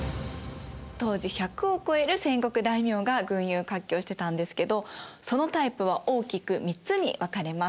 当時１００を超える戦国大名が群雄割拠してたんですけどそのタイプは大きく３つに分かれます。